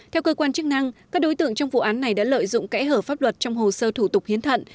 theo cơ quan chức năng các đối tượng trong vụ án này đã lợi dụng kẽ hở pháp luật trong hồ sơ thủ tục hiến thận